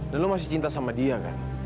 dan lo masih cinta sama dia kan